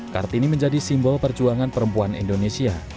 kart ini menjadi simbol perjuangan perempuan indonesia